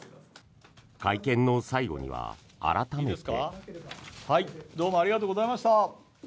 会見の最後には、改めて。